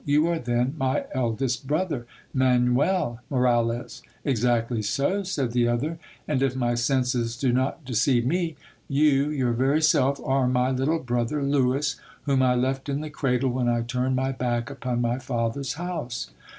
You are then my eldest brother, Manuel Moralez ? Exactly so, said the other, and if my senses do not deceive me, you your very self are my little brother Lewis, whom I left in the cradle when I turned my back upon my father's house